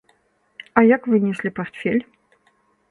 А як вы неслі партфель?